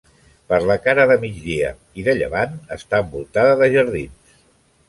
Per la cara de migdia i de llevant està envoltada de jardins.